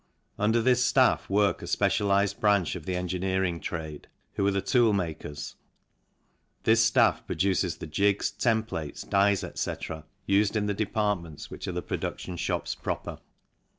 Under this staff work a specialized branch of the engineer ing trade, who are the tool makers; this staff produces the jigs, templates, dies, etc., used in the departments which are the production shops proper.